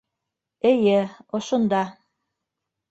Эйе, ошонда...